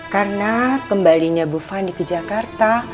karena kembalinya bu fani ke jakarta